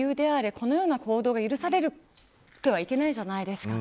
このような行動が許されてはいけないじゃないですか。